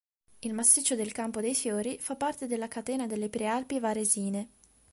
Il Massiccio del Campo dei fiori fa parte della catena delle Prealpi Varesine.